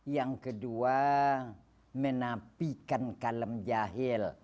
yang kedua menapikan kalem jahil